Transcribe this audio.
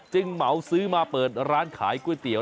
เหมาซื้อมาเปิดร้านขายก๋วยเตี๋ย